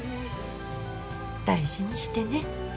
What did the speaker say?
大事にしてね。